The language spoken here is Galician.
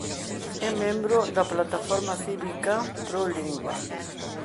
É membro da plataforma cívica "ProLingua".